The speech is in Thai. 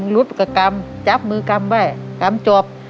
ลุบกะกำจับมือกำไว้กำจอบ